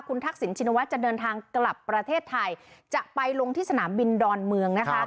คุณทักษิณชินวัฒน์จะเดินทางกลับประเทศไทยจะไปลงที่สนามบินดอนเมืองนะคะ